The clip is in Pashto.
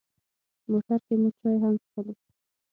موټر کې مو چای هم څښلې.